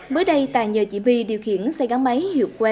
bữa đây tài nhờ diễm vi điều khiển xe gắn máy hiệu quê